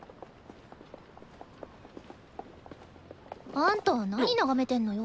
あんたなに眺めてんのよ？